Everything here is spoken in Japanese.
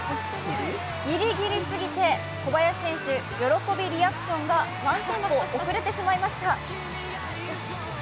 ギリギリ過ぎて小林選手、喜びリアクションがワンテンポ遅れてしまいました。